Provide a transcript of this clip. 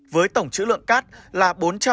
với tổng chữ lượng cát là bốn trăm sáu mươi năm